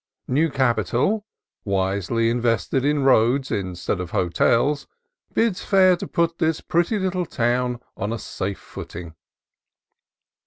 New capital, wisely invested in roads instead of hotels, bids fair to put this pretty little town on a safe footing.